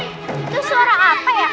itu suara apa ya